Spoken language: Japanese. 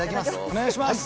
お願いします！